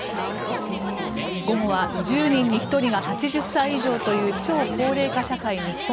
午後は１０人に１人が８０歳以上という超高齢化社会、日本。